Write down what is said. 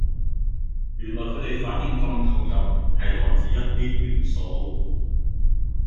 原來佢地反應咁投入係來自一啲元素